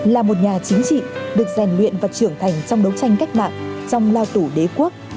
là một nhà chính trị được rèn luyện và trưởng thành trong đấu tranh cách mạng trong lao tủ đế quốc